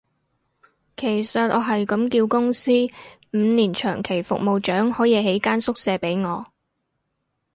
其實我係咁叫公司，五年長期服務獎可以起間宿舍畀我